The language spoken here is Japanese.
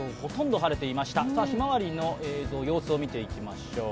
ひまわりの映像、様子を見ていきましょう。